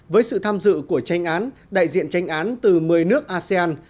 với sự tham dự của tranh án đại diện tranh án từ một mươi nước asean